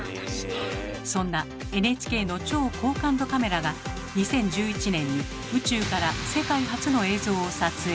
そんなＮＨＫの超高感度カメラが２０１１年に宇宙から世界初の映像を撮影。